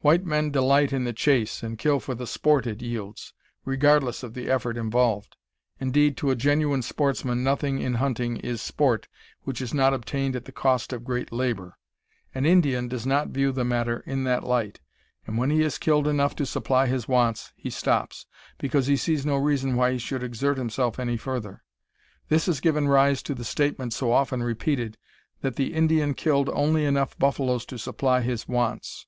White men delight in the chase, and kill for the "sport" it yields, regardless of the effort involved. Indeed, to a genuine sportsman, nothing in hunting is "sport" which is not obtained at the cost of great labor. An Indian does not view the matter in that light, and when he has killed enough to supply his wants, he stops, because he sees no reason why he should exert himself any further. This has given rise to the statement, so often repeated, that the Indian killed only enough buffaloes to supply his wants.